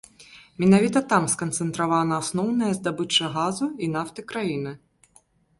Менавіта там сканцэнтравана асноўная здабыча газу і нафты краіны.